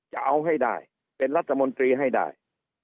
จะเอาให้ได้เป็นรัฐมนตรีให้ได้